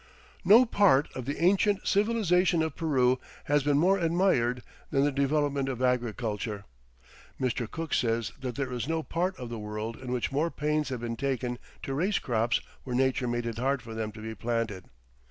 No part of the ancient civilization of Peru has been more admired than the development of agriculture. Mr. Cook says that there is no part of the world in which more pains have been taken to raise crops where nature made it hard for them to be planted.